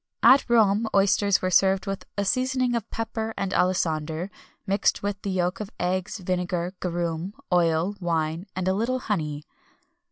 At Rome oysters were served with a seasoning of pepper and alisander, mixed with the yolks of eggs, vinegar, garum, oil, wine, and a little honey.